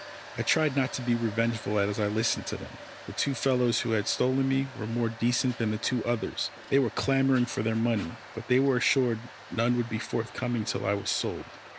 I tried not to be revengeful as I listened to them. The two fellows who had stolen me were more decent than the two others. They were clamouring for their money, but they were assured none would be forthcoming till I was sold.